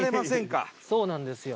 そうなんですよ。